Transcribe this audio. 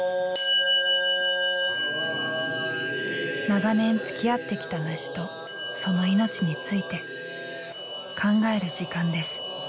長年つきあってきた虫とその命について考える時間です。